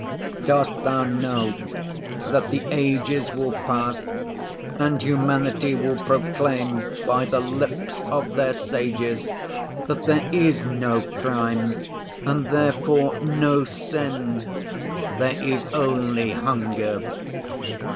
Dost Thou know that the ages will pass, and humanity will proclaim by the lips of their sages that there is no crime, and therefore no sin; there is only hunger?